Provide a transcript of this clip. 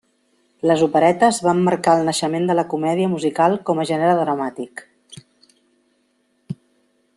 Les operetes van marcar el naixement de la comèdia musical com a gènere dramàtic.